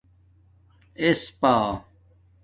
اَس پݳ